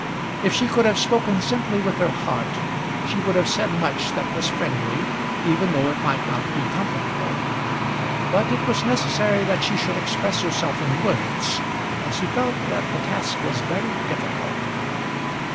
If she could have spoken simply with her heart, she would have said much that was friendly, even though it might not be comfortable. But it was necessary that she should express herself in words, and she felt that the task was very difficult.